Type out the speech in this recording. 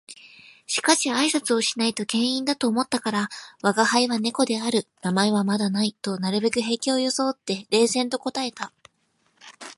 しかし挨拶をしないと険呑だと思ったから「吾輩は猫である。名前はまだない」となるべく平気を装って冷然と答えた